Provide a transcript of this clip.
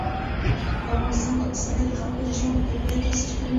په افغانستان کې پسرلی د خلکو د ژوند په کیفیت تاثیر کوي.